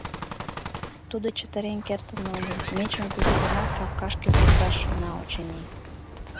Тудо чытен кертын огыл, мечым кузе-гынат капкашке пурташ шона, очыни.